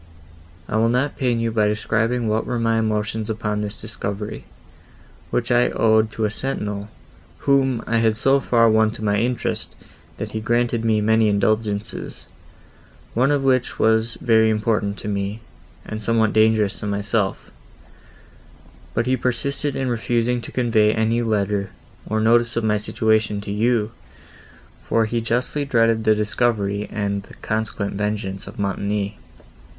I will not pain you by describing what were my emotions upon this discovery, which I owed to a sentinel, whom I had so far won to my interest, that he granted me many indulgences, one of which was very important to me, and somewhat dangerous to himself; but he persisted in refusing to convey any letter, or notice of my situation to you, for he justly dreaded a discovery and the consequent vengeance of Montoni.